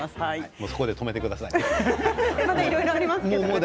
もうそこで止めてください。